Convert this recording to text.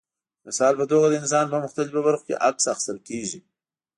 د مثال په توګه د انسان په مختلفو برخو کې عکس اخیستل کېږي.